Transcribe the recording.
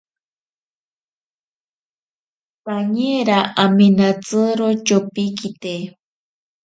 Taniera amenatsiro tyopikite.